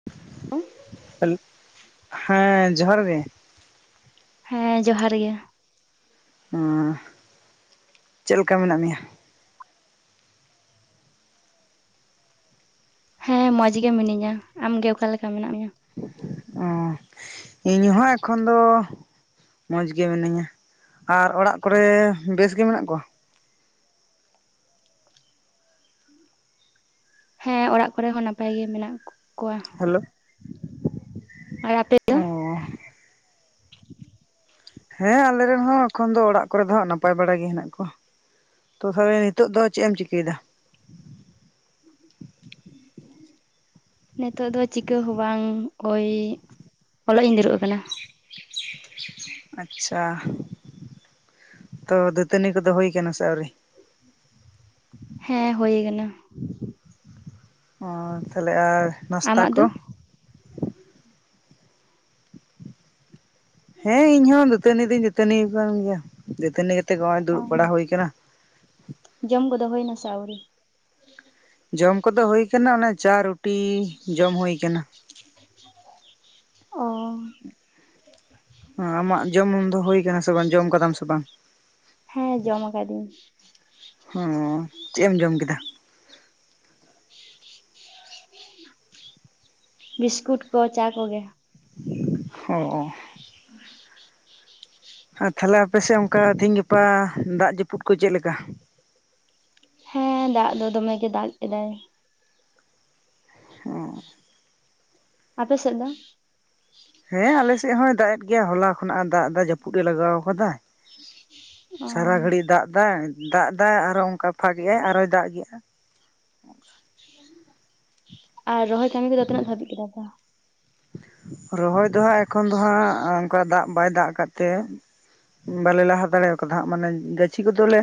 [unintelligible] [unintelligible] ᱦᱮᱸ ᱡᱚᱦᱟᱨ ᱜᱮ ᱾ ᱦᱮᱸ ᱡᱚᱦᱟᱨ ᱜᱮ ᱾ ᱟᱻ ᱪᱮᱫ ᱞᱮᱠᱟ ᱢᱮᱱᱟᱜ ᱢᱮᱭᱟ? ᱦᱮᱸ ᱢᱚᱡᱽ ᱜᱮ ᱢᱤᱱᱟᱹᱧᱟ ᱟᱢ ᱜᱮ ᱚᱠᱟ ᱞᱮᱠᱟ ᱢᱮᱱᱟᱜ ᱢᱮᱭᱟ? ᱚ ᱤᱧ ᱦᱚᱸ ᱮᱠᱷᱚᱱ ᱫᱚ ᱢᱚᱡᱽ ᱜᱮ ᱢᱤᱱᱟᱹᱧᱟ ᱾ ᱟᱨ ᱚᱲᱟᱜ ᱠᱚᱨᱮ ᱵᱮᱥ ᱜᱮ ᱢᱮᱱᱟᱜ ᱠᱚᱣᱟ? ᱦᱮᱸ ᱚᱲᱟᱜ ᱠᱚᱨᱮ ᱦᱚᱸ ᱱᱟᱯᱟᱭ ᱜᱮ ᱢᱮᱱᱟᱜ ᱠᱚᱣᱟ ᱾ ᱠᱚᱣᱟ, ᱦᱮᱞᱳ ᱟᱨ ᱟᱯᱮ ᱫᱚ? ᱚ ᱦᱮᱸ ᱟᱞᱮ ᱨᱮᱱ ᱦᱚᱸ ᱮᱠᱷᱚᱱ ᱫᱚ ᱚᱲᱟᱜ ᱠᱚᱨᱮ ᱫᱚᱦᱟᱜ ᱱᱟᱯᱟᱭ ᱵᱟᱲᱟ ᱜᱮ ᱦᱮᱱᱟᱜ ᱠᱚᱣᱟ ᱾ ᱛᱚ ᱛᱟᱦᱚᱞᱮ ᱱᱤᱛᱚᱜ ᱫᱚ ᱪᱮᱫ ᱮᱢ ᱪᱤᱠᱟᱹᱭᱮᱫᱟ? ᱱᱤᱛᱚᱜ ᱫᱚ ᱪᱤᱠᱟᱹ ᱦᱚᱸ ᱵᱟᱝ ᱳᱭ ᱚᱞᱚᱜ ᱤᱧ ᱫᱲᱩᱵ ᱟᱠᱟᱱᱟ ᱾ ᱟᱪᱪᱷᱟ ᱛᱚ ᱫᱟᱹᱛᱟᱹᱱᱤ ᱠᱚᱫᱚ ᱦᱩᱭ ᱠᱟᱱᱟ ᱥᱮ ᱟᱹᱣᱨᱤ? ᱦᱮᱸ ᱦᱩᱭ ᱠᱟᱱᱟ ᱾ ᱚ ᱛᱟᱦᱚᱞᱮ ᱟᱨ ᱱᱟᱥᱛᱟ ᱟᱢᱟᱜ ᱠᱚ? ᱫᱚ? ᱦᱮᱸ ᱤᱧ ᱦᱚᱸ ᱫᱟᱹᱛᱟᱹᱱᱤ ᱫᱚᱧ ᱫᱟᱹᱛᱟᱹᱱᱤ ᱟᱠᱟᱱ ᱜᱮᱭᱟ ᱫᱟᱹᱛᱟᱹᱱᱤ ᱠᱟᱛᱮᱜ ᱦᱚᱜ ᱚᱭ ᱚ ᱫᱩᱲᱩᱵ ᱵᱟᱲᱟ ᱦᱩᱭ ᱟᱠᱟᱱᱟ ᱾ ᱡᱚᱢ ᱜᱚᱫᱚ ᱦᱩᱭᱱᱟ ᱥᱮ ᱟᱣᱨᱤ? ᱡᱚᱢ ᱠᱚᱫᱚ ᱦᱳᱭ ᱟᱠᱟᱱᱟ ᱚᱱᱮ ᱪᱟ ᱨᱩᱴᱤ ᱡᱚᱢ ᱦᱩᱭ ᱟᱠᱟᱱᱟ᱾ ᱚᱻ ᱟᱢᱟᱜ ᱡᱚᱢ ᱧᱩ ᱫᱚ ᱦᱳᱭ ᱟᱠᱟᱱᱟ ᱥᱮ ᱵᱟᱝ ᱡᱚᱢ ᱠᱟᱫᱟᱢ ᱥᱮ ᱵᱟᱝ? ᱦᱮᱸ ᱡᱚᱢ ᱟᱠᱟᱫᱤᱧ ᱾ ᱦᱚᱸ, ᱪᱮᱫ ᱮᱢ ᱡᱚᱢ ᱠᱮᱫᱟ? ᱵᱤᱥᱠᱩᱴ ᱠᱚ, ᱪᱟ ᱠᱚᱜᱮ ᱾ ᱚ ᱚ [inaudible] ᱟᱨ ᱛᱟᱦᱚᱞᱮ ᱟᱯᱮᱥᱮᱫ ᱚᱱᱠᱟ ᱛᱮᱦᱤᱧ ᱜᱟᱯᱟ ᱫᱟᱜ ᱡᱟᱹᱯᱩᱫ ᱠᱚ ᱪᱮᱫ ᱞᱮᱠᱟ? ᱦᱮᱸ ᱫᱟᱜ ᱫᱚ ᱫᱚᱢᱮ ᱜᱮ ᱫᱟᱜ ᱠᱮᱫᱟᱭ ᱦᱚᱸ ᱟᱯᱮ ᱥᱮᱫ ᱫᱚ? ᱦᱮᱸ ᱟᱞᱮᱥᱮᱫ ᱦᱚᱭ ᱫᱟᱜ ᱮᱫ ᱜᱮᱭᱟ ᱦᱚᱞᱟ ᱠᱷᱚᱱᱟᱜ ᱫᱟᱜ ᱫᱟ ᱡᱟᱹᱯᱩᱫ ᱮ ᱞᱟᱜᱟᱣ ᱠᱟᱫᱟᱭ᱾ ᱚ ᱥᱟᱨᱟ ᱜᱷᱟᱹᱲᱤᱡ ᱫᱟᱜ ᱫᱟᱭ ᱫᱟᱜ ᱫᱟᱭ ᱟᱨᱚ ᱚᱱᱠᱟ ᱯᱷᱟᱠ ᱮᱟᱭ ᱟᱨᱚᱭ ᱫᱟᱜ ᱮᱟᱭ ᱟᱨ ᱨᱚᱦᱚᱭ ᱠᱟᱹᱢᱤ ᱠᱚᱫᱚ ᱛᱤᱱᱟᱹᱜ ᱫᱷᱟᱹᱵᱤᱡ ᱠᱮᱫᱟᱠᱚ? ᱨᱚᱦᱚᱭ ᱫᱚᱦᱟᱸᱜ ᱮᱠᱷᱚᱱ ᱫᱚᱦᱟᱸᱜ ᱚᱱᱠᱟ ᱫᱟᱜ ᱵᱟᱭ ᱫᱟᱜ ᱟᱠᱟᱫ ᱛᱮ ᱵᱟᱞᱮ ᱞᱟᱦᱟ ᱫᱟᱲᱮᱣ ᱠᱟᱫᱟ ᱦᱟᱸᱜ ᱢᱟᱱᱮ ᱜᱟᱹᱪᱷᱤ ᱠᱚᱫᱚ ᱞᱮ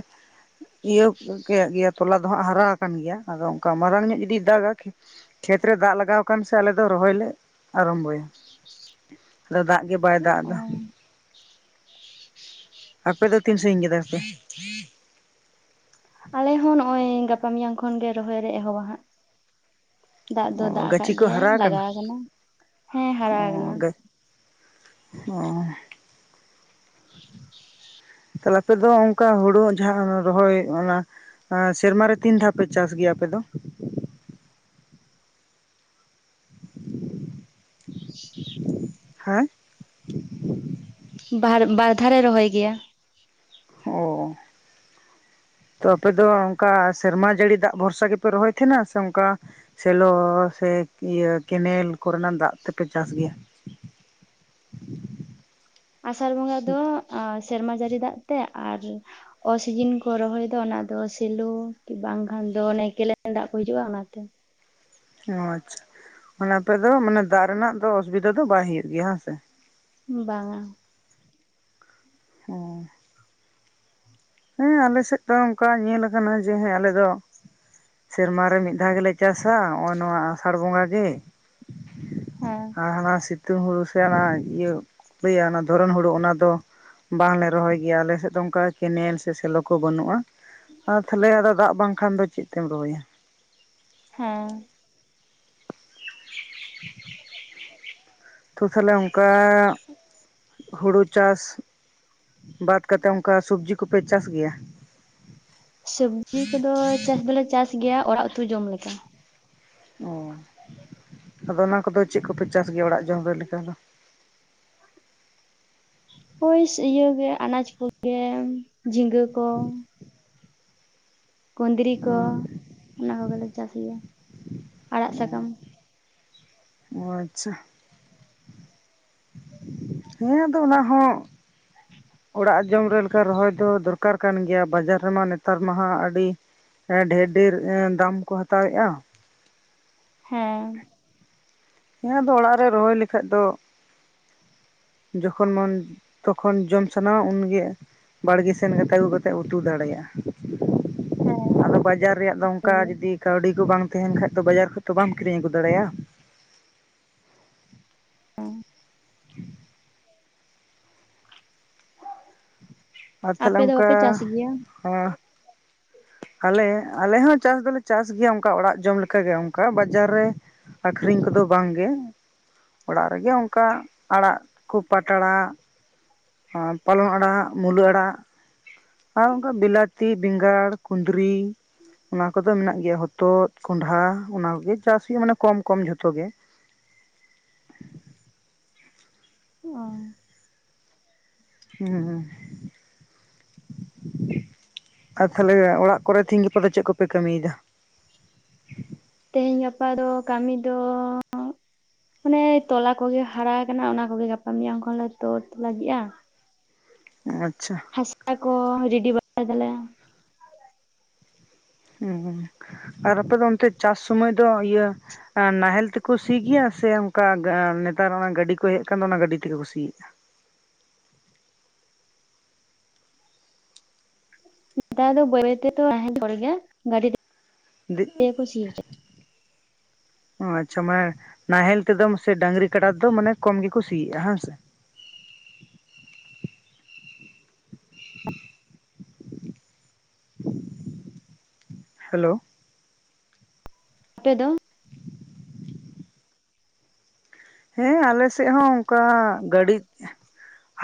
ᱤᱭᱟᱹᱯ ᱠᱮᱫ ᱜᱮᱭᱟ ᱛᱚᱞᱟ ᱫᱚᱦᱟᱸᱜ ᱦᱟᱨᱟ ᱟᱠᱟᱱ ᱜᱮᱭᱟ ᱟᱫᱚ ᱚᱱᱠᱟ ᱢᱟᱨᱟᱝ ᱧᱚᱜ ᱡᱚᱫᱤ ᱫᱟᱜᱟ ᱠᱷᱮᱛ ᱨᱮ ᱫᱟᱜ ᱞᱟᱜᱟᱣ ᱠᱟᱱ ᱥᱮ ᱟᱞᱮ ᱫᱚ ᱨᱚᱦᱚᱭᱟᱞᱮ ᱟᱨᱚᱢᱵᱚᱭᱟ ᱟᱫᱚ ᱫᱟᱜ ᱜᱮ ᱵᱟᱭ ᱫᱟᱜ ᱚ ᱮᱫᱟ ᱟᱯᱮ ᱫᱚ ᱛᱤᱱ ᱥᱟᱺᱜᱤᱧ ᱠᱮᱫᱟ ᱯᱮ? ᱛᱮᱦᱮᱧ ᱜᱟᱯᱟ ᱢᱮᱭᱟᱝ ᱠᱷᱚᱱ ᱜᱮ ᱨᱚᱦᱚᱭ ᱨᱮ ᱮᱦᱚᱵᱚ ᱦᱟᱸᱜ ᱫᱟᱜ ᱚ ᱫᱚ ᱫᱟᱜ ᱟᱠᱟᱫ ᱜᱟᱹᱪᱷᱤ ᱠᱚ ᱜᱮᱭᱟᱭ ᱦᱟᱨᱟ ᱞᱟᱜᱟᱣ ᱟᱠᱟᱱᱟ ᱦᱮᱸ ᱦᱟᱨᱟ ᱟᱠᱟᱱᱟ᱾ ᱚ ᱚ ᱛᱟᱦᱞᱮ ᱟᱯᱮ ᱫᱚ ᱚᱱᱠᱟ ᱦᱩᱲᱩ ᱡᱟᱦᱟᱸ ᱨᱚᱦᱚᱭ ᱚᱱᱟ ᱮ ᱥᱮᱨᱢᱟᱨᱮ ᱛᱤᱱ ᱫᱷᱟᱣ ᱯᱮ ᱪᱟᱥ ᱜᱮᱭᱟ ᱟᱯᱮ ᱫᱚ? ᱦᱮᱸ ᱵᱟᱦᱟᱨ ᱵᱟᱨ ᱫᱷᱟᱣ ᱞᱮ ᱨᱚᱦᱚᱭ ᱜᱮᱭᱟ᱾ ᱚ ᱛᱚ ᱟᱯᱮ ᱫᱚ ᱚᱱᱠᱟ ᱥᱮᱨᱢᱟ ᱡᱟᱹᱲᱤ ᱫᱟᱜ ᱵᱷᱚᱨᱥᱟ ᱜᱮᱯᱮ ᱨᱚᱦᱚᱭ ᱛᱟᱦᱮᱸᱱᱟ? ᱥᱮ ᱚᱱᱠᱟ ᱥᱮᱞᱚ ᱥᱮ ᱤᱭᱟᱹ ᱠᱮᱱᱮᱞ ᱠᱚᱨᱮᱱᱟᱜ ᱫᱟᱜ ᱛᱮᱯᱮ ᱪᱟᱥ ᱜᱮᱭᱟ? ᱟᱥᱟᱲ ᱵᱚᱸᱜᱟ ᱫᱚ ᱥᱮᱨᱢᱟ ᱡᱟᱹᱲᱤ ᱫᱟᱜ ᱛᱮ ᱟᱨ ᱚᱥᱤᱡᱤᱱ ᱠᱚ ᱨᱚᱦᱚᱭ ᱫᱚ ᱚᱱᱟ ᱫᱚ ᱥᱮᱞᱚ ᱠᱤ ᱵᱟᱝᱠᱷᱟᱱ ᱫᱚᱱ ᱚᱱᱮ ᱠᱮᱱᱮᱞ ᱫᱟᱜ ᱠᱚ ᱦᱤᱡᱩᱜᱼᱟ ᱚᱱᱟᱛᱮ ᱚ ᱟᱪᱪᱷᱟ ᱢᱟᱱᱮ ᱟᱯᱮᱫ ᱫᱚ ᱢᱟᱱᱮ ᱫᱟᱜ ᱨᱮᱱᱟᱜ ᱫᱚ ᱚᱥᱩᱵᱤᱫᱷᱟ ᱫᱚ ᱵᱟᱭ ᱦᱳᱭᱳᱜ ᱜᱮᱭᱟ ᱦᱮᱸᱥᱮ? ᱵᱟᱝᱟ ᱦᱚᱸ ᱦᱮᱸ ᱟᱞᱮᱥᱮᱫ ᱫᱚ ᱚᱱᱠᱟ ᱧᱮᱞ ᱟᱠᱟᱱᱟ ᱡᱮ ᱦᱮᱸ ᱟᱞᱮ ᱫᱚ ᱥᱮᱨᱢᱟ ᱨᱮ ᱢᱤᱫ ᱫᱷᱟᱣ ᱜᱮᱞᱮ ᱪᱟᱥᱟ ᱱᱚᱜᱚ ᱱᱚᱣᱟ ᱟᱥᱟᱲ ᱵᱚᱸᱜᱟ ᱜᱮ ᱦᱮᱸ ᱟᱨ ᱦᱟᱱᱟ ᱥᱤᱛᱩᱝ ᱦᱩᱲᱩ ᱥᱮ ᱵᱟᱝ ᱤᱭᱟᱹ ᱞᱟᱹᱭᱟ ᱚᱱᱟ ᱫᱷᱚᱨᱚᱱ ᱦᱩᱲᱩ ᱚᱱᱟ ᱫᱚ ᱵᱟᱝᱞᱮ ᱨᱚᱦᱚᱭ ᱜᱮᱭᱟ ᱟᱞᱮᱥᱮᱫ ᱫᱚ ᱚᱱᱠᱟ ᱠᱮᱱᱮᱞᱥ ᱥᱮ ᱥᱮᱞᱚ ᱠᱚ ᱵᱟᱹᱱᱩᱜᱼᱟ ᱟᱨ ᱛᱟᱦᱚᱞᱮ ᱟᱫᱚ ᱫᱟᱜ ᱵᱟᱝᱠᱷᱟᱱ ᱫᱚ ᱪᱮᱫ ᱛᱮᱢ ᱨᱚᱦᱚᱭᱟ᱾ ᱦᱮᱸ ᱛᱚ ᱛᱟᱦᱞᱮ ᱚᱱᱠᱟ ᱦᱩᱲᱩ ᱪᱟᱥ ᱵᱟᱫ ᱠᱟᱛᱮᱫ ᱚᱱᱠᱟ ᱥᱚᱵᱡᱤ ᱠᱚᱯᱮ ᱪᱟᱥ ᱜᱮᱭᱟ? ᱥᱚᱵᱡᱤ ᱠᱚᱫᱚ ᱪᱟᱥ ᱫᱚᱞᱮ ᱪᱟᱥ ᱜᱮᱭᱟ ᱚᱲᱟᱜ ᱩᱛᱩ ᱡᱚᱢ ᱞᱟᱜᱤᱫ᱾ ᱚ ᱟᱫᱚ ᱚᱱᱟ ᱠᱚᱫᱚ ᱪᱮᱫ ᱠᱚᱯᱮ ᱪᱟᱥ ᱜᱮᱭᱟ ᱚᱲᱟᱜ ᱡᱚᱢ ᱨᱮ ᱞᱮᱠᱟ ᱫᱚ? ᱦᱳᱭ ᱤᱭᱟ ᱜᱮ ᱟᱱᱟᱡᱽ ᱠᱚᱜᱮ ᱡᱷᱤᱸᱜᱟᱹ ᱠᱚ ᱦᱮᱸ ᱠᱩᱫᱽᱨᱤ ᱠᱚ ᱚᱱᱟ ᱠᱚᱜᱮᱞᱮ ᱪᱟᱥ ᱜᱮᱭᱟ ᱟᱲᱟᱜ ᱥᱟᱠᱟᱢ ᱚ ᱟᱪᱪᱷᱟ ᱦᱮᱸ ᱟᱫᱚ ᱚᱱᱟ ᱦᱚᱸ ᱚᱲᱟᱜ ᱡᱚᱢ ᱨᱮ ᱞᱮᱠᱟ ᱨᱚᱦᱚᱭ ᱫᱚ ᱫᱚᱨᱠᱟᱨ ᱠᱟᱱ ᱜᱮᱭᱟ, ᱵᱟᱡᱟᱨ ᱨᱮᱢᱟ ᱱᱮᱛᱟᱨ ᱢᱟ ᱦᱟᱸᱜ ᱟᱹᱰᱤ ᱰᱷᱮᱨ ᱰᱷᱮᱨ ᱫᱟᱢ ᱠᱚ ᱦᱟᱛᱟᱣᱮᱼᱟ ᱾ ᱦᱮᱸ᱾ ᱦᱮ ᱟᱫᱚ ᱚᱲᱟᱜ ᱨᱮ ᱨᱚᱦᱚᱭ ᱞᱮᱠᱷᱟᱡ ᱫᱚ ᱡᱚᱠᱷᱚᱱ ᱢᱚᱱ ᱛᱚᱠᱷᱚᱱ ᱡᱚᱢ ᱥᱟᱱᱟᱣᱟ ᱩᱱᱜᱮ ᱵᱟᱲᱜᱮ ᱥᱮᱱ ᱠᱟᱛᱮ ᱟᱹᱜᱩ ᱠᱟᱛᱮᱮᱫ ᱩᱛᱩ ᱫᱟᱲᱮᱭᱟᱜᱼᱟ ᱦᱮᱸ ᱾ ᱟᱫᱚ ᱵᱟᱡᱟᱨ ᱨᱮᱭᱟᱜ ᱫᱚ ᱚᱱᱠᱟ ᱡᱩᱫᱤ ᱠᱟᱹᱣᱰᱤ ᱠᱚ ᱵᱟᱝ ᱛᱟᱦᱮᱱ ᱠᱷᱟᱡ ᱫᱚ ᱵᱟᱡᱟᱨ ᱠᱷᱚᱡ ᱛᱚ ᱵᱟᱢ ᱠᱤᱨᱤᱧ ᱟᱹᱜᱩ ᱫᱟᱲᱮᱭᱟᱜᱼᱟ ᱾ ᱟᱨ ᱛᱟᱦᱚᱞᱮ ᱟᱯᱮ ᱫᱚ ᱚᱱᱠᱟ ᱵᱟᱯᱮ ᱪᱟᱥ ᱜᱮᱭᱟ ᱟᱞᱮ ᱟᱞᱮ ᱦᱚᱸ ᱪᱟᱥ ᱫᱚᱞᱮ ᱪᱟᱥ ᱜᱮᱭᱟ ᱚᱱᱠᱟ ᱚᱲᱟᱜ ᱡᱚᱢ ᱞᱮᱠᱟᱜᱮ ᱚᱱᱠᱟ ᱵᱟᱡᱟᱨ ᱨᱮ ᱟᱠᱷᱨᱤᱧ ᱠᱚᱫᱚ ᱵᱟᱝᱜᱮ᱾ ᱚᱲᱟᱜ ᱨᱮᱜᱮ ᱚᱱᱠᱟ ᱟᱲᱟᱜ ᱠᱚ ᱯᱟᱴ ᱟᱲᱟᱜ, ᱯᱟᱞᱚᱝ ᱟᱲᱟᱜ, ᱢᱩᱞᱟᱹ ᱟᱲᱟᱜ ᱟᱨ ᱚᱱᱠᱟ ᱵᱞᱟᱛᱤ, ᱵᱮᱸᱜᱟᱲ, ᱠᱩᱫᱽᱨᱤ ᱚᱱᱟ ᱠᱚᱫᱚ ᱢᱮᱱᱟᱜ ᱜᱮᱭᱟ, ᱦᱚᱛᱚᱫ ᱠᱚᱚᱱᱰᱷᱟ ᱚᱱᱟ ᱠᱚᱜᱮ ᱪᱟᱥ ᱦᱩᱭᱩᱜᱼᱟ, ᱢᱟᱱᱮ ᱠᱚᱢ ᱠᱚᱢ ᱡᱷᱚᱛᱚ ᱜᱮ᱾ ᱚᱸᱻ [unintelligible] ᱟᱨ ᱛᱟᱦᱞᱮ ᱚᱲᱟᱜ ᱠᱚᱨᱮ ᱛᱮᱦᱤᱧ ᱜᱟᱯᱟ ᱫᱚ ᱪᱮᱫ ᱠᱚᱯᱮ ᱠᱟᱹᱢᱤᱭᱮᱫᱟ? ᱛᱮᱦᱮᱧ ᱜᱟᱯᱟ ᱫᱚ ᱠᱟᱹᱢᱤ ᱫᱚ ᱢᱟᱱᱮ ᱛᱚᱞᱟ ᱠᱚᱜᱮ ᱦᱟᱨᱟ ᱟᱠᱟᱱᱟ ᱚᱱᱟ ᱠᱚᱜᱮ ᱜᱟᱯᱟ ᱢᱮᱭᱟᱝ ᱠᱷᱚᱱᱞ ᱞᱮ ᱛᱳᱫ ᱞᱟᱹᱜᱤᱫᱼᱟ᱾ ᱟᱪᱪᱷᱟ᱾ ᱦᱟᱥᱟ ᱠᱚ ᱨᱮᱰᱤ ᱵᱟᱲᱟᱭ ᱫᱟᱞᱮ᱾ ᱦᱩᱸ ᱟᱨ ᱟᱯᱮ ᱫᱚ ᱚᱱᱛᱮ ᱪᱟᱥ ᱥᱩᱢᱟᱹᱭ ᱫᱚ ᱤᱭᱟᱹ ᱱᱟᱦᱮᱞ ᱛᱮᱠᱚ ᱥᱤ ᱜᱮᱭᱟ ᱥᱮ ᱚᱱᱠᱟ ᱱᱮᱛᱟᱨ ᱚᱱᱟ ᱜᱟᱹᱰᱤ ᱠᱚ ᱦᱮᱡ ᱟᱠᱟᱱ ᱫᱚ ᱚᱱᱟ ᱜᱟᱹᱰᱤ ᱛᱮᱜᱮ ᱠᱚ ᱥᱤᱭᱮᱫᱼᱟ? [unintelligible] ᱛᱮᱜᱮ ᱠᱚ ᱥᱤ ᱦᱚᱪᱚᱭᱟ [unintelligible] ᱚ ᱟᱪᱪᱷᱟ ᱢᱟᱱᱮ ᱱᱟᱦᱮᱞ ᱛᱮᱫᱚ ᱥᱮ ᱰᱟᱝᱨᱤ ᱠᱟᱰᱟ ᱛᱮᱫ ᱢᱟᱱᱮ ᱠᱚᱢ ᱜᱮᱠᱚ ᱥᱤᱭᱮᱫᱼᱟ ᱦᱮᱸᱥᱮ᱾ ᱦᱮᱞᱳ᱾ ᱟᱯᱮ ᱫᱚ ᱦᱮᱸ ᱟᱞᱮ ᱥᱮᱫ ᱦᱚᱸ ᱚᱱᱠᱟ ᱜᱟᱹᱰᱤ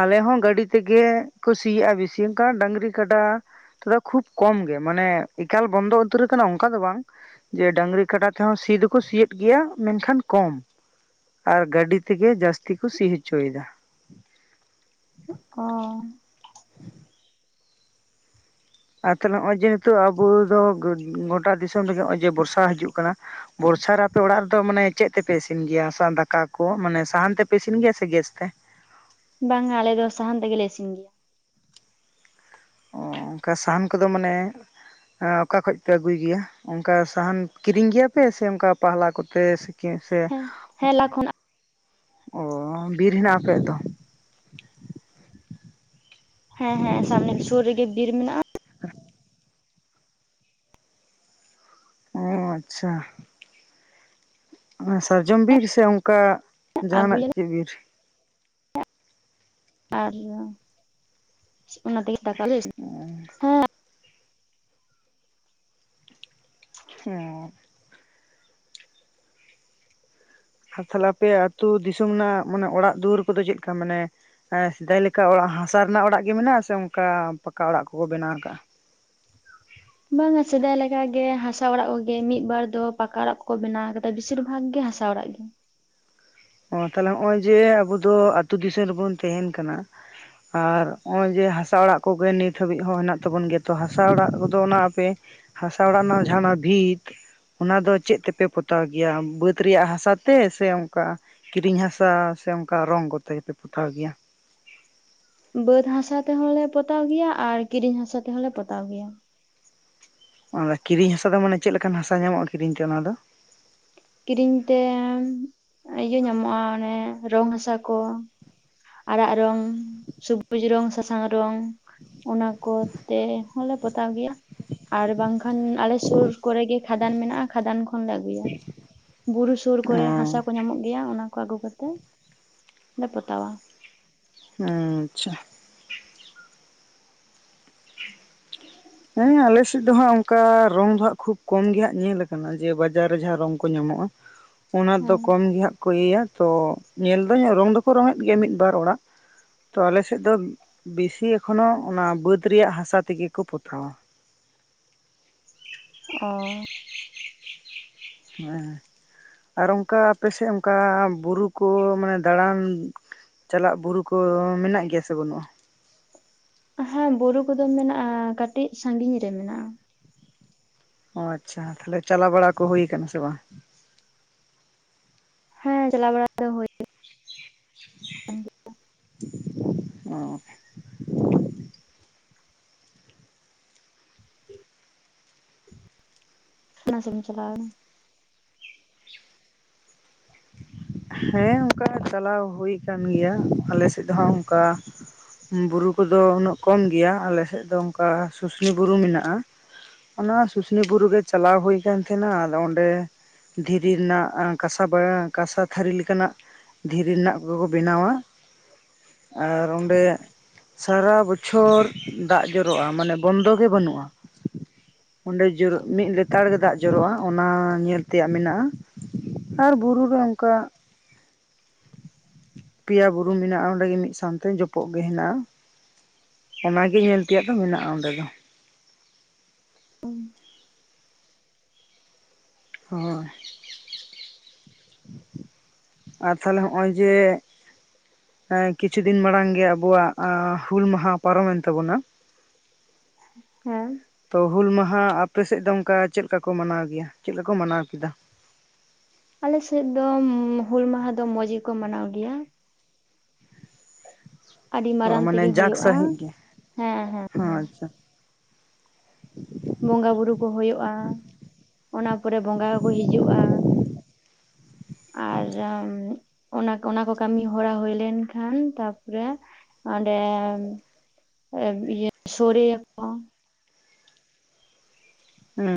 ᱟᱞᱮ ᱦᱚᱸ ᱜᱟᱹᱰᱤ ᱛᱮᱜᱮ ᱥᱤᱭᱟᱜᱼᱟ ᱵᱤᱥᱤ ᱚᱱᱠᱟ ᱰᱟᱹᱟᱝᱨᱤ ᱠᱟᱰᱟ ᱛᱚᱵᱮ ᱠᱷᱩᱵ ᱠᱚᱢᱜᱮ ᱢᱟᱱᱮ ᱮᱠᱟᱞ ᱵᱚᱱᱫᱚ ᱩᱛᱟᱹᱨ ᱠᱟᱱᱟ ᱚᱱᱠᱟ ᱫᱚ ᱵᱟᱝ᱾ ᱡᱮ ᱰᱟᱹᱝᱨᱤ ᱠᱟᱰᱟ ᱛᱮᱦᱚᱸ ᱥᱤ ᱫᱚᱠᱚ ᱥᱤᱭᱮᱫ ᱜᱮᱭᱟ ᱢᱮᱱᱠᱷᱟᱱ ᱠᱚᱢ᱾ ᱟᱨ ᱜᱟᱹᱰᱤ ᱛᱮᱜᱮ ᱡᱟᱹᱥᱛᱤ ᱠᱚ ᱥᱤ ᱦᱚᱪᱚᱭᱮᱫᱟ᱾ ᱚᱻ [unintelligible] ᱟᱨ ᱛᱟᱦᱚᱞᱮ ᱱᱚᱜᱼᱚᱭ ᱡᱮ ᱱᱤᱛᱳᱜ ᱟᱵᱚ ᱫᱚ ᱜᱚᱴᱟ ᱫᱤᱥᱚᱢ ᱨᱮᱜᱮ ᱱᱚᱜᱼᱚᱭ ᱡᱮ ᱵᱚᱨᱥᱟ ᱦᱤᱡᱩᱜ ᱠᱟᱱᱟ, ᱵᱚᱨᱥᱟ ᱨᱮ ᱟᱯᱮ ᱚᱲᱟᱜ ᱨᱮᱫᱚ ᱢᱟᱱᱮ ᱪᱮᱫ ᱛᱮᱯᱮ ᱤᱥᱤᱱ ᱜᱮᱭᱟ ᱫᱟᱠᱟ ᱠᱚ ᱢᱟᱱᱮ ᱥᱟᱦᱟᱱ ᱛᱮᱯᱮ ᱤᱥᱤᱱ ᱜᱮᱭᱟ ᱥᱮ ᱜᱮᱥ ᱛᱮ? ᱵᱟᱝᱼᱟ ᱟᱞᱮ ᱫᱚ ᱥᱟᱦᱟᱱ ᱛᱮᱜᱮᱞᱮ ᱤᱥᱤᱱ ᱜᱮᱭᱟ᱾ ᱚ ᱚᱱᱠᱟ ᱥᱟᱦᱟᱱ ᱠᱚᱫᱚ ᱢᱟᱱᱮ ᱚᱠᱟ ᱠᱷᱚᱡ ᱯᱮ ᱟᱹᱜᱩᱭ ᱜᱮᱭᱟ, ᱚᱱᱠᱟ ᱥᱟᱦᱟᱱ ᱠᱤᱨᱤᱧ ᱜᱮᱭᱟᱯᱮ ᱥᱮ ᱚᱱᱠᱟ ᱯᱟᱦᱞᱟ ᱠᱚᱛᱮ ᱥᱮ ᱦᱮᱸ ᱦᱮᱸ ᱞᱟ ᱠᱷᱚᱱ ᱚ ᱵᱤᱨ ᱦᱮᱱᱟᱜᱼᱟ ᱟᱯᱮᱭᱟᱜ ᱫᱚ? ᱦᱮᱸ ᱦᱮᱸ ᱥᱟᱢᱱᱮ ᱨᱮ ᱥᱩᱨ ᱨᱮᱜᱮ ᱵᱤᱨ ᱢᱮᱱᱟᱜᱼᱟ, ᱚ ᱟᱪᱪᱷᱟ᱾ ᱥᱟᱨᱡᱚᱢ ᱵᱤᱨ ᱥᱮ ᱚᱱᱠᱟ ᱡᱟᱦᱟᱸᱱᱟᱜ ᱟᱹᱜᱩᱭᱟᱞᱮ ᱪᱮᱫ ᱵᱤᱨ? ᱥᱟᱨᱡᱚᱢ ᱚᱱᱟᱛᱮᱜᱮ ᱫᱟᱠᱟ ᱞᱮ ᱤᱥᱤᱱ ᱚ [unintelligible] ᱦᱮᱸ ᱟᱨ ᱛᱟᱦᱚᱞᱮ ᱟᱯᱮᱭᱟᱜ ᱟᱹᱛᱩ ᱫᱤᱥᱚᱢ ᱨᱮᱱᱟᱜ ᱢᱟᱱᱮ ᱚᱲᱟᱜ ᱫᱩᱣᱟᱹᱨ ᱠᱚᱫᱚ ᱪᱮᱫᱞᱮᱠᱟ ᱢᱟᱱᱮ ᱥᱮᱫᱟᱭ ᱞᱮᱠᱟ ᱚᱲᱟᱜ ᱦᱟᱥᱟ ᱨᱮᱱᱟᱜ ᱚᱲᱟᱜ ᱜᱮ ᱢᱮᱱᱟᱜ-ᱟ ᱥᱮ ᱚᱱᱠᱟ ᱯᱟᱠᱟ ᱚᱲᱟᱜ ᱠᱚᱠᱚ ᱵᱮᱱᱟᱣ ᱠᱟᱜ-ᱟ᱾ ᱵᱟᱝ-ᱟ ᱥᱮᱫᱟᱭ ᱞᱮᱠᱟ ᱜᱮ ᱦᱟᱥᱟ ᱚᱲᱟᱜ ᱠᱚᱜᱮ ᱢᱤᱫ ᱵᱟᱨ ᱫᱚ ᱯᱟᱠᱟ ᱚᱲᱟᱜ ᱠᱚ ᱵᱮᱱᱟᱣ ᱵᱮᱥᱤᱨ ᱵᱷᱟᱜᱽ ᱜᱮ ᱦᱟᱥᱟ ᱚᱲᱟᱜ ᱜᱮ᱾ ᱚ ᱛᱟᱦᱞᱮ ᱱᱚᱜ-ᱚᱭ ᱡᱮ ᱟᱵᱚ ᱫᱚ ᱟᱹᱛᱩ ᱫᱤᱥᱚᱢ ᱨᱮᱵᱚᱱ ᱛᱟᱸᱦᱱ ᱠᱟᱱᱟ, ᱟᱨ ᱱᱚᱜ-ᱚᱭ ᱡᱮ ᱦᱟᱥᱟ ᱚᱲᱟᱜ ᱠᱚᱜᱮ ᱱᱤᱛ ᱦᱟᱹᱵᱤᱡ ᱦᱚᱸ ᱦᱮᱱᱟᱜ ᱛᱟᱵᱚᱱ ᱜᱮᱭᱟ ᱛᱚ ᱦᱟᱥᱟ ᱚᱲᱟᱜ ᱠᱚᱫᱚ ᱚᱱᱟ ᱟᱯᱮ ᱦᱟᱥᱟ ᱚᱲᱟᱜ ᱨᱮᱱᱟᱜ ᱡᱟᱦᱱᱟᱜ ᱵᱷᱤᱛ ᱚᱱᱟ ᱫᱚ ᱪᱮᱫ ᱛᱮᱯᱮ ᱯᱚᱛᱟᱣ ᱜᱮᱭᱟ᱾ ᱵᱟᱹᱫᱽ ᱨᱮᱭᱟᱜ ᱦᱟᱥᱟ ᱛᱮ ᱥᱮ ᱚᱱᱠᱟ ᱠᱤᱨᱤᱧ ᱦᱟᱥᱟ ᱥᱮ ᱚᱱᱠᱟ ᱨᱚᱝ ᱠᱚᱛᱮ ᱜᱮᱯᱮ ᱯᱚᱛᱟᱣ ᱜᱮᱭᱟ᱾ ᱵᱟᱹᱫᱽ ᱦᱟᱥᱟ ᱛᱮᱦᱚᱸᱞᱮ ᱯᱚᱛᱟᱣ ᱜᱮᱭᱟ, ᱟᱨ ᱠᱤᱨᱤᱧ ᱦᱟᱥᱟ ᱛᱮᱦᱚᱸᱞᱮ ᱯᱚᱛᱟᱣ ᱜᱮᱭᱟ, ᱚᱱᱟ ᱠᱤᱨᱤᱧ ᱦᱟᱥᱟ ᱫᱚ ᱢᱟᱱᱮ ᱪᱮᱫ ᱞᱮᱠᱟᱱ ᱦᱟᱥᱟ ᱧᱟᱢᱚᱜ-ᱟ ᱠᱤᱨᱤᱧ ᱛᱮ ᱚᱱᱟ ᱫᱚ᱾ ᱠᱤᱨᱤᱧ ᱛᱮ ᱤᱭᱟᱹ ᱧᱟᱢᱚᱜ-ᱟ ᱚᱱᱮ ᱨᱚᱝ ᱦᱟᱥᱟ ᱠᱚ᱾ ᱟᱨᱟᱜ ᱨᱚᱝ, ᱥᱩᱵᱩᱡ ᱨᱚᱝ, ᱥᱟᱥᱟᱝ ᱨᱚᱝ, ᱚᱱᱟ ᱠᱚᱛᱮ ᱦᱚᱸᱞᱮ ᱯᱚᱛᱟᱣ ᱜᱮᱭᱟ ᱟᱨ ᱵᱟᱝᱠᱷᱟᱱ ᱟᱞᱮ ᱥᱩᱨ ᱠᱚᱨᱮ ᱜᱮ ᱠᱷᱟᱫᱟᱱ ᱢᱮᱱᱟᱜ-ᱟ᱾ ᱠᱷᱟᱫᱟᱱ ᱠᱷᱚᱱᱞᱮ ᱟᱹᱜᱩᱭᱟ ᱵᱩᱨᱩ ᱥᱩᱨ ᱠᱚᱨᱮ ᱦᱟᱥᱟ ᱠᱚ ᱧᱟᱢᱚᱜ ᱜᱮᱭᱟ ᱚᱱᱟ ᱠᱚ ᱟᱹᱜᱩ ᱠᱟᱛᱮ ᱞᱮ ᱯᱚᱛᱟᱣᱟ᱾ ᱦᱩᱸ ᱟᱪᱪᱷᱟ ᱦᱮᱸ ᱟᱞᱮ ᱥᱮᱫ ᱫᱚ ᱦᱟᱸᱜ ᱚᱱᱠᱟ ᱨᱚᱝ ᱫᱚ ᱦᱟᱸᱜ ᱠᱷᱩᱵ ᱠᱚᱢ ᱜᱮ ᱦᱟᱸᱜ ᱧᱮᱞ ᱠᱟᱱᱟ ᱡᱮ ᱵᱟᱡᱟᱨ ᱨᱮ ᱡᱟᱦᱟᱸ ᱨᱚᱝ ᱠᱚ ᱧᱟᱢᱚᱜ-ᱟ᱾ ᱚᱱᱟ ᱫᱚ ᱦᱮᱸ ᱠᱚᱢ ᱜᱮᱦᱟᱸᱜ ᱠᱚ ᱤᱭᱟᱹᱭᱟ ᱛᱚ ᱧᱮᱞ ᱫᱟ. ᱧ ᱨᱚᱝ ᱫᱚᱠᱚ ᱨᱚᱝ ᱮᱫ ᱜᱮᱭᱟ ᱢᱤᱫᱵᱟᱨ ᱚᱲᱟᱜ ᱛᱚ ᱟᱞᱮᱥᱮᱫ ᱫᱚ ᱵᱮᱥᱤ ᱮᱠᱷᱚᱱᱳ ᱚᱱᱟ ᱵᱟᱹᱫᱽ ᱨᱮᱭᱟᱜ ᱦᱟᱥᱟ ᱛᱮᱜᱮ ᱠᱚ ᱯᱚᱛᱟᱣᱟ᱾ ᱚ ᱦᱮᱸ ᱟᱨ ᱚᱱᱠᱟ ᱟᱯᱮ ᱥᱮᱫ ᱚᱱᱠᱟ ᱵᱩᱨᱩ ᱠᱚ ᱢᱟᱱᱮ ᱫᱟᱬᱟᱱ ᱪᱟᱞᱟᱜ ᱵᱩᱨᱩ ᱠᱚ ᱢᱮᱱᱟᱜ ᱜᱮᱭᱟ ᱥᱮ ᱵᱟᱹᱱᱩᱜ-ᱟ᱾ ᱦᱮᱸ ᱵᱩᱨᱩ ᱠᱚᱫᱚ ᱢᱮᱱᱟᱜ-ᱟ ᱠᱟᱴᱤᱡ ᱥᱟᱺᱜᱤᱧ ᱨᱮ ᱢᱮᱱᱟᱜ-ᱟ᱾ ᱚ ᱟᱪᱪᱷᱟ ᱛᱟᱦᱚᱞᱮ ᱪᱟᱞᱟᱣ ᱵᱟᱲᱟ ᱠᱚ ᱦᱩᱭ ᱠᱟᱱᱟ ᱥᱮ ᱵᱟᱝ? ᱦᱮᱸ ᱪᱟᱞᱟ ᱵᱟᱲᱟ ᱫᱚ ᱦᱳᱭ ᱚ ᱦ ᱥᱢ ᱪᱟᱞᱟᱜ [unintelligible] [inaudible] ᱦᱮᱸ ᱚᱱᱠᱟ ᱪᱟᱞᱟᱣ ᱦᱩᱭ ᱠᱟᱱ ᱜᱮᱭᱟ ᱟᱞᱮᱥᱮᱫ ᱦᱚᱸ ᱚᱱᱠᱟ ᱵᱩᱨᱩ ᱠᱚᱫᱚ ᱩᱱᱟᱹᱜ ᱠᱚᱢ ᱜᱮᱭᱟ ᱟᱞᱮᱥᱮᱫ ᱫᱚ ᱚᱱᱠᱟ ᱥᱩᱥᱱᱤ ᱵᱩᱨᱩ ᱢᱮᱱᱟᱜ-ᱟ᱾ ᱚᱱᱟ ᱥᱩᱥᱱᱤ ᱵᱩᱨᱩ ᱜᱮ ᱪᱟᱞᱟᱣ ᱦᱩᱭ ᱠᱟᱱ ᱛᱟᱦᱮᱸᱱᱟ ᱟᱫᱚ ᱚᱸᱰᱮ ᱫᱷᱤᱨᱤ ᱨᱮᱱᱟᱜ ᱠᱟᱸᱥᱟ ᱵᱟᱲᱟ ᱠᱟᱸᱥᱟ ᱛᱷᱟᱹᱨᱤ ᱞᱮᱠᱟᱱᱟᱜ ᱫᱷᱤᱨᱤ ᱨᱮᱱᱟᱜ ᱠᱚᱜᱮ ᱠᱚ ᱵᱮᱱᱟᱣᱟ ᱟᱨ ᱚᱸᱰᱮ ᱥᱟᱨᱟ ᱵᱚᱪᱷᱚᱨ ᱫᱟᱜ ᱡᱚᱨᱚᱜ-ᱟ᱾ ᱢᱟᱱᱮ ᱵᱚᱱᱫᱚ ᱜᱮ ᱵᱟᱹᱱᱩᱜ-ᱟ᱾ ᱚᱸᱰᱮ ᱢᱤᱫ ᱞᱮᱛᱟᱲ ᱜᱮ ᱫᱟᱜ ᱡᱚᱨᱚᱜ-ᱟ ᱚᱱᱟ ᱧᱮᱞ ᱛᱮᱭᱟᱜ ᱢᱮᱱᱟᱜ-ᱟ᱾ ᱟᱨ ᱵᱩᱨᱩ ᱨᱮ ᱚᱱᱠᱟ ᱯᱮᱭᱟ ᱵᱩᱨᱩ ᱢᱮᱱᱟᱜ-ᱟ ᱚᱸᱰᱮᱜᱮ ᱢᱤᱫ ᱥᱟᱶᱛᱮ ᱡᱚᱯᱚᱜ ᱜᱮ ᱦᱮᱱᱟᱜ-ᱟ᱾ ᱚᱱᱟᱜᱤ ᱧᱮᱞ ᱛᱮᱭᱟᱜ ᱫᱚ ᱢᱮᱱᱟᱜ-ᱟ ᱚᱸᱰᱮ ᱫᱚ᱾ ᱦᱳᱭ ᱟᱨ ᱛᱟᱦᱚᱞᱮ ᱦᱚᱜ-ᱚᱭ ᱡᱮ ᱮᱸ ᱠᱤᱪᱷᱩ ᱫᱤᱱ ᱢᱟᱲᱟᱝ ᱜᱮ ᱟᱵᱚᱣᱟᱜ ᱟᱸ ᱦᱩᱞ ᱢᱟᱦᱟ ᱯᱟᱨᱚᱢᱮᱱ ᱛᱟᱵᱚᱱᱟ, ᱦᱮᱸ, ᱛᱚ ᱦᱩᱞ ᱢᱟᱸᱦᱟ ᱟᱯᱮᱥᱮᱫ ᱫᱚ ᱚᱸᱠᱟ ᱪᱮᱫ ᱞᱮᱠᱟ ᱠᱚ ᱢᱟᱱᱟᱣ ᱜᱮᱭᱟ, ᱪᱮᱫ ᱞᱮᱠᱟ ᱠᱚ ᱢᱟᱱᱟᱣ ᱠᱮᱫᱟ? ᱟᱞᱮᱥᱮᱫ ᱫᱚ ᱢᱩᱸᱻ ᱦᱩᱞ ᱢᱟᱦᱟ ᱫᱚ ᱢᱚᱸᱡᱽ ᱜᱮᱠᱚ ᱢᱟᱱᱟᱣ ᱜᱮᱭᱟ᱾ ᱟᱹᱰᱤ ᱚ ᱢᱟᱨᱟᱝ ᱛᱮᱜᱮ ᱦᱩᱭᱩᱜ-ᱟ, ᱦᱮᱸ ᱦᱮᱸ᱾ ᱟᱸᱻᱪᱷᱟ ᱵᱚᱸᱜᱟ ᱵᱩᱨᱩ ᱠᱚ ᱦᱳᱭᱳᱜᱼᱟ, ᱚᱱᱟ ᱯᱚᱨᱮ ᱵᱚᱸᱜᱟ ᱠᱚᱠᱚ ᱦᱤᱡᱩᱜᱼᱟ, ᱟᱨ ᱡᱚᱢ ᱢᱤᱫ ᱚᱱᱟᱠᱚ ᱚᱱᱟ ᱠᱚ ᱠᱟᱹᱢᱤ ᱦᱚᱲᱟ ᱦᱩᱭ ᱞᱮᱱᱠᱷᱟᱱ ᱛᱟᱨᱯᱚᱨᱮ ᱚᱸᱰᱮᱱ ᱮᱵᱽ ᱤᱭᱟᱹ ᱥᱳᱨᱮ ᱭᱟᱠᱚ᱾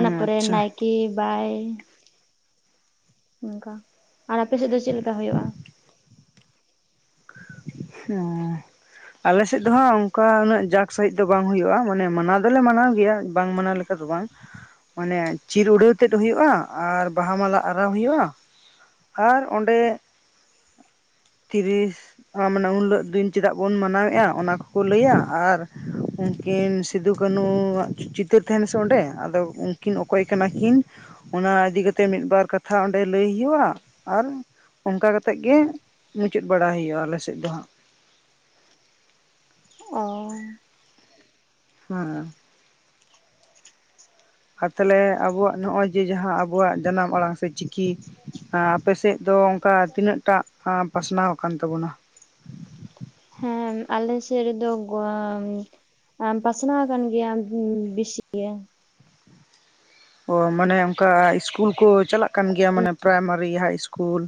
ᱚᱱᱟ ᱯᱚᱨᱮ ᱟᱪᱪᱷᱟ ᱱᱟᱭᱠᱮ ᱵᱟᱭ ᱱᱚᱱᱠᱟ, ᱟᱨ ᱟᱯᱮᱥᱮᱫ ᱫᱚ ᱪᱮᱫ ᱞᱮᱠᱟ ᱦᱩᱭᱩᱭ-ᱟ? [inaudible] ᱦᱩᱸ ᱟᱞᱮᱥᱮᱫ ᱫᱚ ᱦᱟᱸᱜ ᱚᱸᱠᱟ ᱩᱱᱟᱹᱜ ᱡᱟᱠ ᱥᱟᱺᱦᱤᱡ ᱫᱚ ᱵᱟᱝ ᱦᱩᱭᱩᱜᱼᱟ, ᱢᱟᱱᱮ ᱢᱟᱱᱟᱣ ᱫᱚᱞᱮ ᱢᱟᱱᱟᱣ ᱜᱮᱭᱟ, ᱵᱟᱝ ᱢᱟᱱᱟᱣ ᱞᱮᱠ- ᱠᱟ ᱫᱚ ᱵᱟᱝ, ᱢᱟᱱᱮ ᱪᱤᱨ ᱩᱰᱟᱹᱣ ᱛᱮᱫ ᱦᱩᱭᱩᱜᱼᱟ ᱟᱨ ᱵᱟᱦᱟ ᱢᱟᱞᱟ ᱟᱨᱟᱣ ᱦᱩᱭᱩᱜᱼᱟ, ᱟᱨ ᱚᱸᱰᱮᱜ ᱛᱤᱨᱤᱥ ᱟ ᱢᱟᱱᱮ ᱩᱱ ᱦᱤᱞᱳᱜ ᱫᱤᱱ ᱪᱮᱫᱟᱜ ᱵᱚᱱ ᱢᱟᱱᱟᱣᱮᱜᱼᱟ, ᱚᱱᱟ ᱠᱚᱠᱚ ᱞᱟᱹᱭᱟ ᱟᱨ ᱩᱱᱠᱤᱱ ᱥᱤᱫᱩ ᱠᱟᱹᱱᱩ ᱣᱟᱜ ᱪᱩ ᱪᱤᱛᱟᱹᱨ ᱛᱟᱦᱮᱸᱱᱟ ᱥᱮ ᱚᱸᱰᱮ ᱟᱫᱚ ᱩᱸᱠᱤᱱ ᱚᱠᱚᱭ ᱠᱟᱱᱟ ᱠᱤᱱ ᱚᱱᱟ ᱤᱫᱤ ᱠᱟᱛᱮ ᱢᱤᱫ ᱵᱟᱨ ᱠᱟᱛᱷᱟ ᱚᱸᱰᱮ ᱞᱟᱹᱭ ᱦᱩᱭᱩᱜ-ᱟ, ᱟᱨ ᱚᱸᱠᱟ ᱠᱟᱛᱮᱜ ᱜᱮ, ᱢᱩᱪᱟᱹᱫ ᱵᱟᱲᱟ ᱦᱩᱭᱩᱜᱼᱟ ᱟᱞᱮᱥᱮᱫ ᱫᱚ ᱦᱟᱸᱜ᱾ ᱚᱻ ᱦᱩᱸᱩᱸ, ᱟᱨ ᱛᱟᱦᱮᱞᱮ ᱟᱵᱚᱣᱟᱜ ᱱᱚᱜᱼᱚᱭ ᱡᱮ ᱡᱟᱦᱟᱸ ᱟᱵᱚᱣᱟᱜ ᱡᱟᱱᱟᱢ ᱟᱲᱟᱝ ᱥᱮ ᱪᱤ ᱠᱤ ᱟᱸ ᱟᱯᱮᱥᱮᱫ ᱫᱚ ᱚᱸᱠᱟ ᱛᱤᱱᱟᱹᱜ ᱴᱟᱜ ᱯᱟᱥᱱᱟᱣ ᱟᱠᱟᱱ ᱛᱟᱵᱚᱱᱟ? ᱦᱮᱸᱻᱢ ᱟᱞᱮ ᱥᱮᱫ ᱨᱮᱫᱚ ᱜᱩᱣᱟᱹᱻᱢ ᱟᱢ ᱯᱟᱥᱱᱟᱣ ᱟᱠᱟᱱ ᱜᱮᱭᱟᱢ ᱩᱸ ᱵᱮᱥᱤ ᱜᱮ ᱾ ᱚ ᱢᱟᱱᱮ ᱚᱸᱠᱟ ᱤᱥᱠᱩᱞ ᱠᱚ ᱪᱟᱞᱟᱜ ᱠᱟᱱ ᱜᱮᱭᱟ ᱢᱟᱱᱮ ᱯᱟᱨᱟᱭᱢᱟᱹᱨᱤ, ᱦᱟᱭ ᱤᱥᱠᱩᱞ?